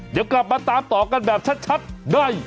เดี๋ยวกลับมาตามต่อกันแบบชัดได้